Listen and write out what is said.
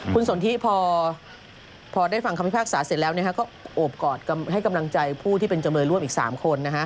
คุณสนทิพอได้ฟังคำพิพากษาเสร็จแล้วก็โอบกอดให้กำลังใจผู้ที่เป็นจำเลยร่วมอีก๓คน